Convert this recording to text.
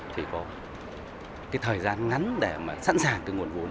thì có cái thời gian ngắn để mà sẵn sàng cái nguồn vốn